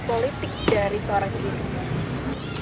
politik dari seorang ini